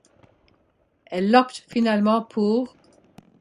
Elle opte finalement pour '.